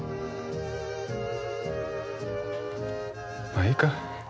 まあいいか。